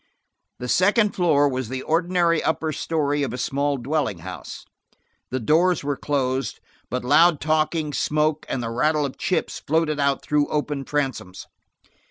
The second floor was the ordinary upper story of a small dwelling house. The doors were closed, but loud talking, smoke, and the rattle of chips floated out through open transoms.